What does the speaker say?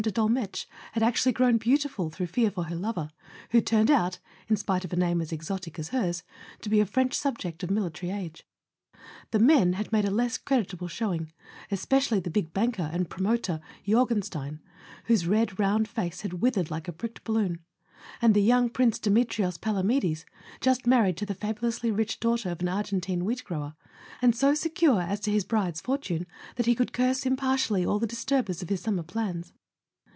de Dolmetsch had actually grown beau¬ tiful through fear for her lover, who turned out (in spite of a name as exotic as hers) to be a French sub¬ ject of military age. The men had made a less credit¬ able showing—especially the big banker and promoter, Jorgenstein, whose round red face had withered like a pricked balloon, and young Prince Demetrios Pala medes, just married to the fabulously rich daughter of an Argentine wheat grower, and so secure as to his bride's fortune that he could curse impartially all the disturbers of his summer plans.